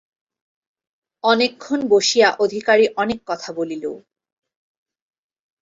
অনেকক্ষণ বসিয়া অধিকারী অনেক কথা বলিল।